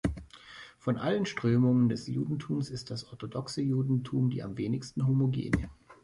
Von allen Strömungen des Judentums ist das orthodoxe Judentum die am wenigsten homogene.